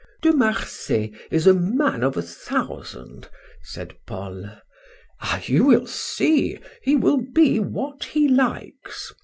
"De Marsay is a man of a thousand," said Paul. "Ah, you will see, he will be what he likes.